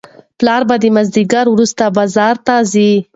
پلار به د مازیګر وروسته بازار ته ځي.